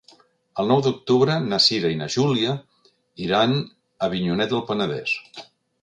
El nou d'octubre na Cira i na Júlia iran a Avinyonet del Penedès.